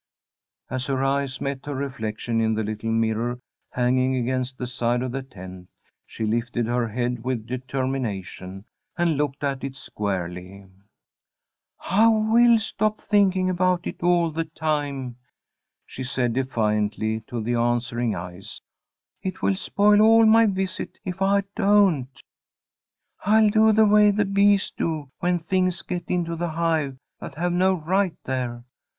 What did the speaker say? As her eyes met her reflection in the little mirror hanging against the side of the tent, she lifted her head with determination, and looked at it squarely. "I will stop thinking about it all the time!" she said, defiantly, to the answering eyes. "It will spoil all my visit if I don't. I'll do the way the bees do when things get into the hive that have no right there.